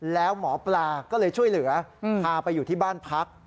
แล้วหมอปลาก็เลยช่วยเหลือพาไปอยู่ที่บ้านพัก